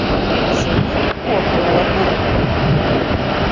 Zini, ko protu?